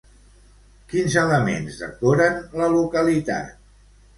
Quins elements decoren la localitat?